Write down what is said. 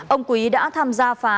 ông quý đã tham gia phá